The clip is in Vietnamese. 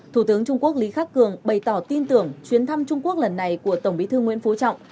thủ tướng trung quốc lý khắc cường bày tỏ tin tưởng chuyến thăm trung quốc lần này của tổng bí thư nguyễn phú trọng